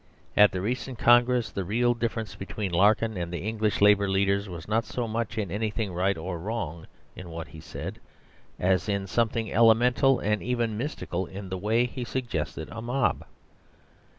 At the recent Congress, the real difference between Larkin and the English Labour leaders was not so much in anything right or wrong in what he said, as in something elemental and even mystical in the way he suggested a mob.